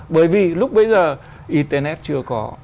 bây giờ internet chưa có